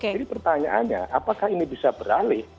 jadi pertanyaannya apakah ini bisa beralih